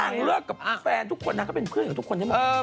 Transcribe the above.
ข้างหลังเลือกกับแฟนทุกคนนะก็เป็นเพื่อนกับทุกคนใช่ไหม